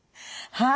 はい。